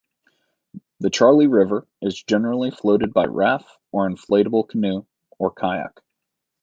The Charley River is generally floated by raft or inflatable canoe or kayak.